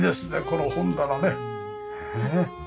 この本棚ね。